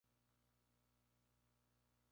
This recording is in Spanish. El remate exterior dispone de espadaña de dos arcos.